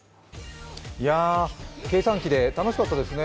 計算機で楽しかったですね。